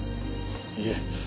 いえ。